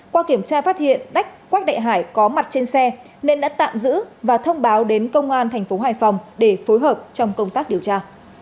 qua kiểm tra phát hiện đách quách đại hải có mặt trên xe nên đã tạm giữ và thông báo đến công an tp hoài phòng để phối hợp trong công tác điều tra